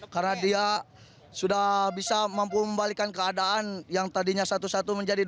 karena dia sudah bisa mampu membalikan keadaan yang tadinya satu satu menjadi dua satu